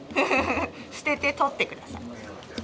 捨てて取って下さい。